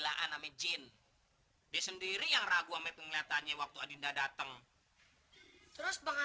karena situasi dan kondisi lo kan tahu sekarang bang